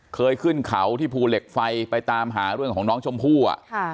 ขึ้นเขาที่ภูเหล็กไฟไปตามหาเรื่องของน้องชมพู่